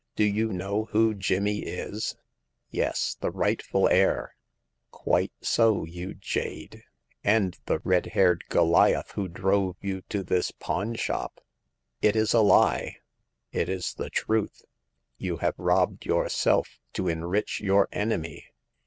" Do you know who Jimmy is ?"Yes— the rightful heir !"Quite so, you jade — and the red haired Goliath who drove you to this pawn shop !"" It is a lie !''" It is the truth ! You have robbed yourself to enrich your enemy